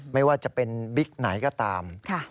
ไม่ว่าจะเป็นบิ๊กไหนก็ตาม